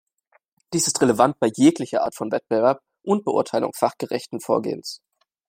Dies ist relevant bei jeglicher Art von Wettbewerb und Beurteilung fachgerechten Vorgehens.